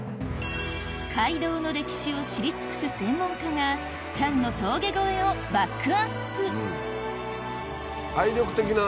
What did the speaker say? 街道の歴史を知り尽くす専門家がチャンの峠越えをバックアップ知識的な。